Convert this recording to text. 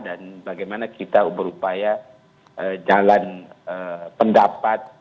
dan bagaimana kita berupaya jalan pendapat